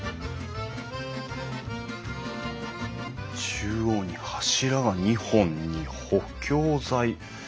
中央に柱が２本に補強材。